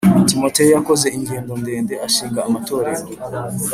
Timoteyo yakoze ingendo ndende ashinga amatorero